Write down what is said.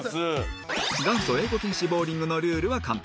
元祖英語禁止ボウリングのルールは簡単